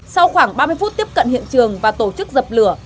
sau khoảng ba mươi phút tiếp cận hiện trường và tổ chức dập lửa